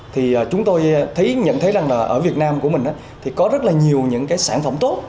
thì chúng tôi nhận thấy rằng là ở việt nam của mình thì có rất là nhiều những cái sản phẩm tốt